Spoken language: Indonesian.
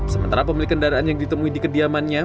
sementara pemilik kendaraan yang ditemui di kediamannya